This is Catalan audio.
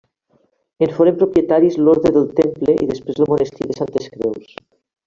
En foren propietaris l'Orde del Temple i després el Monestir de Santes Creus.